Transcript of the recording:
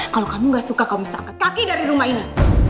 kalau kamu gak suka kamu sakit kaki dari rumah ini